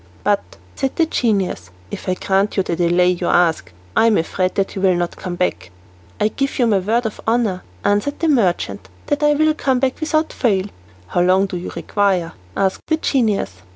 "But," said the genius, "if I grant you the delay you ask, I am afraid that you will not come back." "I give you my word of honour," answered the merchant, "that I will come back without fail." "How long do you require?" asked the genius.